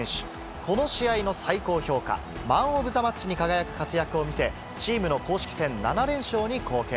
この試合の最高評価、マン・オブ・ザ・マッチに輝く活躍を見せ、チームの公式戦７連勝に貢献。